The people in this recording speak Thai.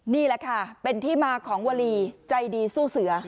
นี่แหละค่ะเป็นที่มาของวลีใจดีสู้เสือ